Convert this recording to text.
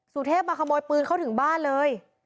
สุเทพมาขโมยปืนเขาถึงบ้านเลย